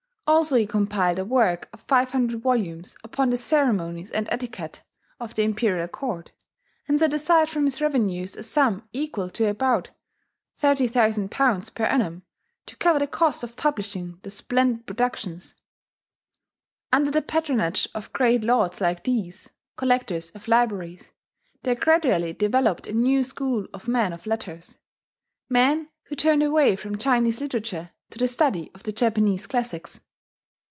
Also he compiled a work of 500 volumes upon the ceremonies and the etiquette of the Imperial Court, and set aside from his revenues a sum equal to about 30,000 pounds per annum, to cover the cost of publishing the splendid productions.... Under the patronage of great lords like these collectors of libraries there gradually developed a new school of men of letters: men who turned away from Chinese literature to the study of the Japanese classics.